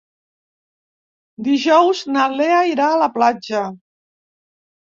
Dijous na Lea irà a la platja.